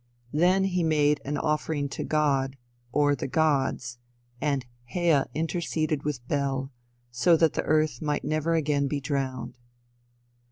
Then he made an offering to god, or the gods, and "Hea interceded with Bel," so that the earth might never again be drowned.